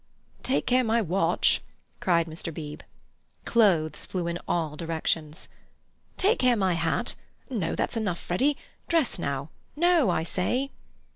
"Take care my watch!" cried Mr. Beebe. Clothes flew in all directions. "Take care my hat! No, that's enough, Freddy. Dress now. No, I say!"